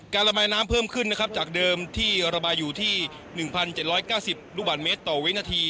การระบายน้ำเพิ่มขึ้นนะครับจากเดิมที่ระบายอยู่ที่หนึ่งพันเจ็ดร้อยเก้าสิบลูกบาลเมตรต่อวินาที